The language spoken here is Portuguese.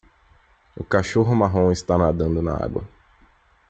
O cachorro marrom está nadando na água